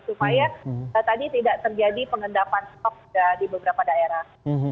supaya tadi tidak terjadi pengendapan stok di beberapa daerah